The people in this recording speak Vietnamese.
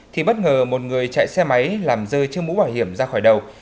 thì bất ngờ một người chạy xe máy làm rơi trước mũ bảo hiểm ra khỏi đầu